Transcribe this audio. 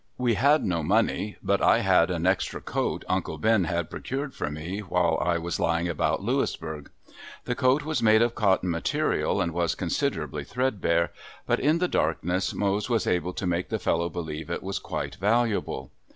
We had no money but I had an extra coat uncle Ben had procured for me while I was lying about Louisburg. The coat was made of cotton material and was considerably threadbare, but in the darkness Mose was able to make the fellow believe it was quite valuable.